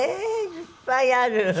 いっぱいある。